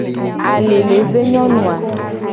Ali le ve nyonu a.